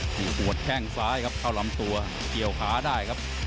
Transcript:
หัวแข้งซ้ายครับเข้าลำตัวเกี่ยวขาได้ครับ